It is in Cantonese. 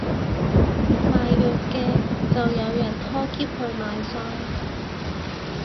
賣藥嘅就有人拖喼去買晒